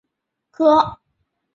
科斯的朗提亚克。